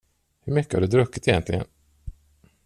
Hur mycket har du druckit egentligen?